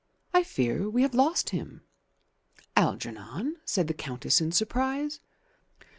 I fear we have lost him." "Algernon?" said the Countess in surprise.